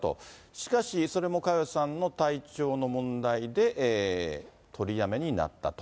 しかし、それも佳代さんの体調の問題で取りやめになったと。